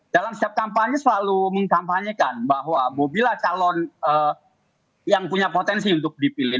dalam setiap kampanye selalu mengkampanyekan bahwa bobilah calon yang punya potensi untuk dipilih